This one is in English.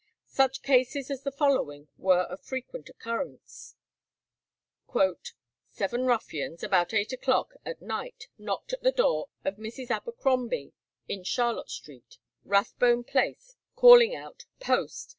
Such cases as the following were of frequent occurrence. "Seven ruffians, about eight o'clock at night, knocked at the door of Mrs. Abercrombie in Charlotte Street, Rathbone Place, calling out 'Post!'